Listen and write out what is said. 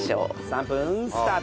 ３分スタート。